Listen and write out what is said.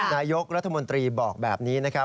นายกรัฐมนตรีบอกแบบนี้ค่ะ